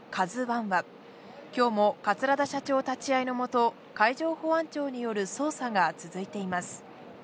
ＫＡＺＵＩは、きょうも桂田社長立ち会いのもと、海上保安庁による捜査が続いています。